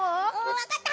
わかった！